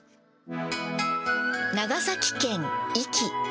長崎県壱岐。